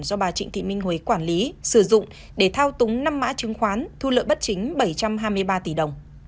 do bà trịnh thị minh huế quản lý sử dụng để thao túng năm mã chứng khoán thu lợi bất chính bảy trăm hai mươi ba tỷ đồng